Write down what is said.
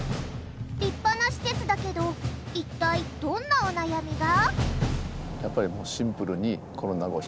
立派な施設だけど一体どんなお悩みが？